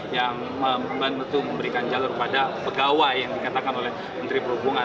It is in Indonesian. yang membantu memberikan jalur pada pegawai yang dikatakan oleh menteri perhubungan